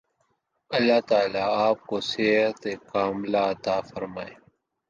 اللہ تعالی آپ کو صحت ِکاملہ عطا فرمائے